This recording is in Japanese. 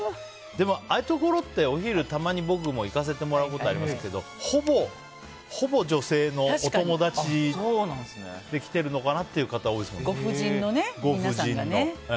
でもああいうところってお昼、たまに僕も行かせてもらうことありますけどほぼ女性のお友達で来ているのかなっていう方がご婦人の皆さんがね。